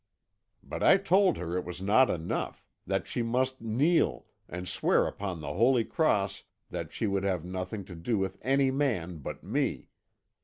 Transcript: "But I told her it was not enough; that she must kneel, and swear upon the holy cross that she would have nothing to do with any man but me.